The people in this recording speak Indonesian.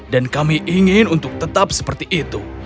dan kami ingin untuk tetap seperti itu